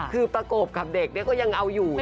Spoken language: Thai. คือประกบกับเด็กก็ยังเอาอยู่